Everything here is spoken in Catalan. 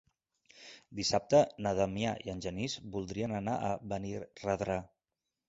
Dissabte na Damià i en Genís voldrien anar a Benirredrà.